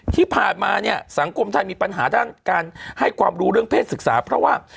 ที่ผ่านมาเนี่ยสังคมไทยมีปัญหาด้านการให้ความรู้เรื่องเศษศึกษาเพราะว่า